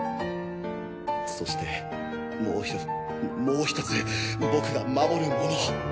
そしてもうひともうひとつ僕が守るもの。